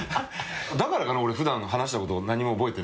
だからかな俺普段話したこと何も覚えてないの。